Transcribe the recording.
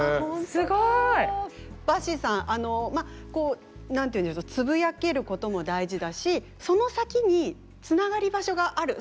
すごい。ばっしーさんあの何て言うんでしょうつぶやけることも大事だしその先につながり場所がある。